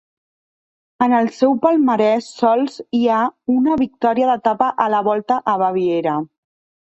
En el seu palmarès sols hi ha una victòria d'etapa a la Volta a Baviera.